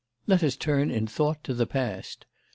Let us turn in thought to the past.